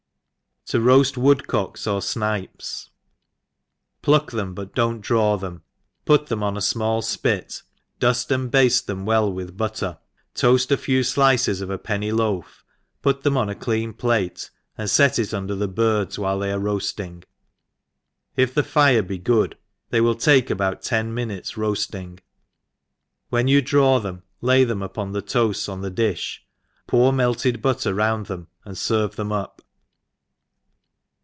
To roajl Woodcocks or Snipes* PLUCK them, but do not draw them, put them on a fmall fpit, duft and bafle them well with butter^ toaft a few dices of a penny loaf» ut them on a clean plate, and fet it under the irds while they are roafling, if the fire be good they will take about ten minutes roafling ; when you draw them lay them upon the toa^s on th^ di(h i pour melted butter round them, and ferve them up.